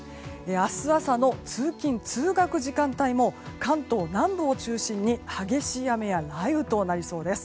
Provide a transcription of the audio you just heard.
明日朝の通勤・通学時間帯も関東南部を中心に激しい雨や雷雨となりそうです。